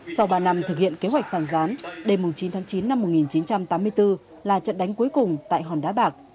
sau ba năm thực hiện kế hoạch phản gián đêm chín tháng chín năm một nghìn chín trăm tám mươi bốn là trận đánh cuối cùng tại hòn đá bạc